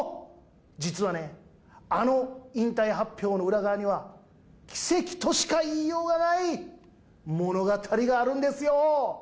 実はね、あの引退発表の裏側には、奇跡としかいいようがない物語があるんですよ。